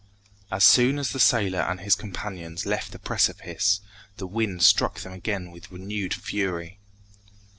As soon as the sailor and his companions left the precipice, the wind struck them again with renewed fury.